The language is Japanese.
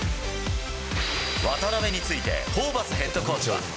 渡邊について、ホーバスヘッドコーチは。